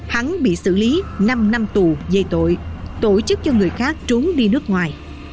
hắn bị xử lý năm năm tù về tội tổ chức cho người khác trốn đi nước ngoài